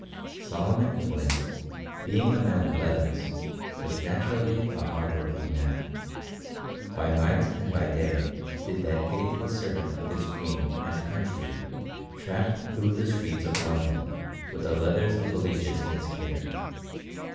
Solomon Flint, being a man of letters, was naturally a hard working man. By night and by day did that faithful servant of his Queen and country tramp through the streets of London with the letters of the lieges in his care.